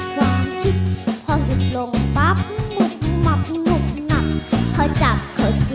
ความคิดพอหลุดลงปั๊บหมุกหมับหนุกหนับเพราะจับเขาจริง